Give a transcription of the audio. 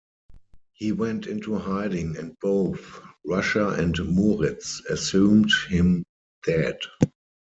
He went into hiding and both Russia and Murids assumed him dead.